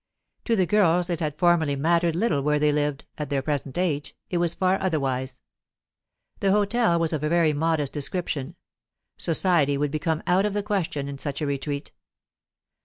To the girls it had formerly mattered little where they lived; at their present age, it was far otherwise. The hotel was of a very modest description; society would become out of the question in such a retreat.